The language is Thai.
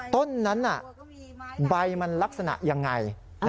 ต้นนั้นใบมันลักษณะยังไง